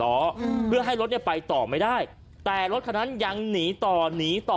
ล้ออืมเพื่อให้รถเนี้ยไปต่อไม่ได้แต่รถคันนั้นยังหนีต่อหนีต่อ